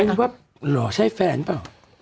เซ็นีลว่าหรือว่าใช่แฟนเปล่า